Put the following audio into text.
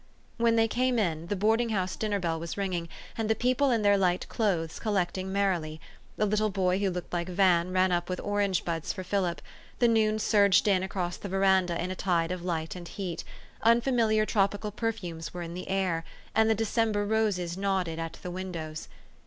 "When they came in, the boarding house dinner bell was ringing, and the people in their light clothes collecting merrily ; the little boy who looked like Van ran up with orange buds for Philip ; the noon surged in across the veranda in a tide of light and heat ; unfamiliar tropical perfumes were in the air ; and the December roses nodded at the windows.